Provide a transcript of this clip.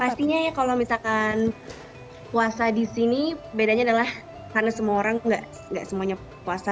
pastinya ya kalau misalkan puasa di sini bedanya adalah karena semua orang nggak semuanya puasa